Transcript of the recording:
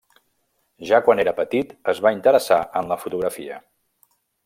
Ja quan era petit es va interessar en la fotografia.